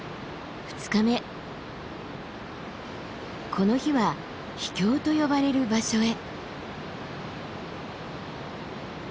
この日は秘境と呼ばれる場所へ。